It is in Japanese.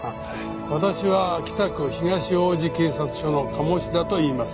私は北区東王子警察署の鴨志田といいます。